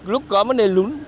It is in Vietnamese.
lúc có mấy nền lún